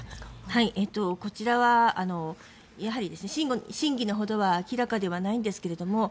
こちらはやはり真偽のほどは明らかではないんですけど